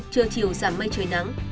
trưa chiều giảm mây trời nắng